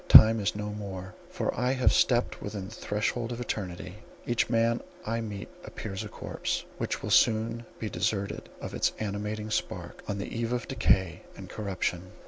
Time is no more, for I have stepped within the threshold of eternity; each man I meet appears a corse, which will soon be deserted of its animating spark, on the eve of decay and corruption.